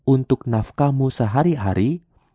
untuk nafkamu sehari hari